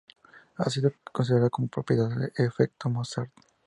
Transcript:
Ha sido considerada con propiedades de Efecto Mozart.